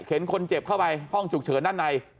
เข็นคนเจ็บเข้าไปห้องฉุกเฉินนั่นใน